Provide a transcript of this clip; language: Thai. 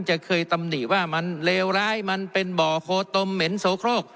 จะเคยตำหนิว่ามันเลวร้ายมันเป็นบ่อโคตมเหม็นโสโครก